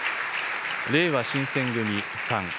れいわ新選組３。